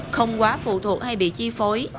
không quá phụ thuộc hay bị chi phối